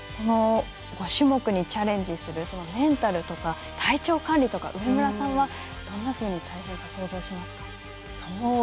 ５種目にチャレンジするメンタルとか体調管理とか上村さんは、どんなふうに想像しますか？